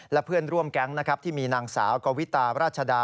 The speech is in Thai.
และเพื่อนร่วมแก๊งที่มีสาวกววิตาราชดาอ